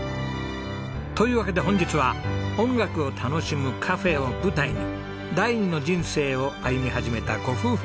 というわけで本日は音楽を楽しむカフェを舞台に第二の人生を歩み始めたご夫婦のお話です。